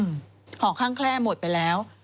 ห่อข้างแคล่หมดไปแล้ว